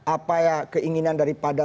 apa keinginan daripada